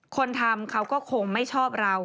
คนทำเขาก็คงไม่ชอบเรา